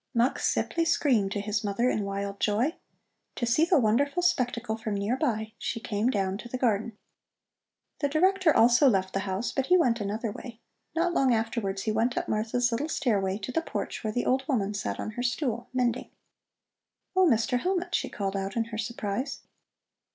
Mux simply screamed to his mother in wild joy. To see the wonderful spectacle from near by, she came down to the garden. The Director also left the house, but he went another way. Not long afterwards he went up Martha's little stairway to the porch where the old woman sat on her stool mending. "Oh, Mr. Hellmut!" she called out in her surprise.